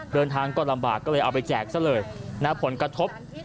เดินทางก็ลำบากก็เลยเอาไปแจกซะเลยนะผลกระทบ